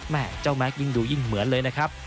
เจ้าแม็กซยิ่งดูยิ่งเหมือนเลยนะครับ